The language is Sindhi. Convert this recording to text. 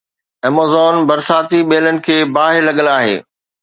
Amazon برساتي ٻيلن کي باهه لڳل آهي.